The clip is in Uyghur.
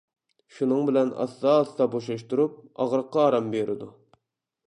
شۇنىڭ بىلەن ئاستا-ئاستا بوشاشتۇرۇپ، ئاغرىققا ئارام بېرىدۇ.